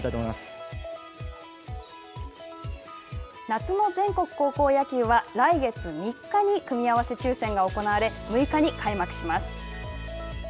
夏の全国高校野球は来月３日に組み合わせ抽せんが行われ６日に開幕します。